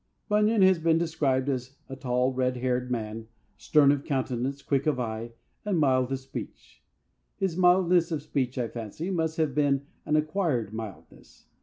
Bunyan has been described as a tall, red haired man, stern of countenance, quick of eye, and mild of speech. His mildness of speech, I fancy, must have been an acquired mildness.